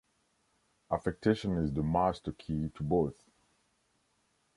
Affectation is the master-key to both.